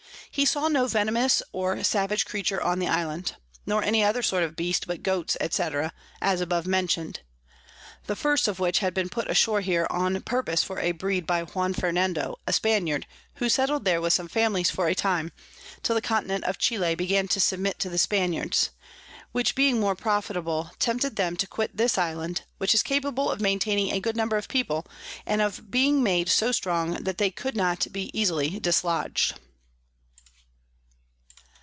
He saw no venomous or savage Creature on the Island, nor any other sort of Beast but Goats, &c. as above mention'd; the first of which had been put ashore here on purpose for a Breed by Juan Fernando a Spaniard, who settled there with some Families for a time, till the Continent of Chili began to submit to the Spaniards; which being more profitable, tempted them to quit this Island, which is capable of maintaining a good number of People, and of being made so strong that they could not be easily dislodg'd.